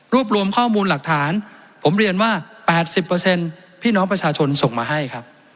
รวมรวมข้อมูลหลักฐานผมเรียนว่า๘๐พี่น้องประชาชนส่งมาให้ครับ